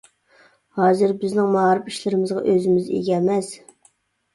ھازىر بىزنىڭ مائارىپ ئىشلىرىمىزغا ئۆزىمىز ئىگە ئەمەس.